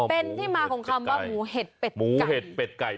เป็นที่มาของคำว่าหมูเห็ดเป็ดไก่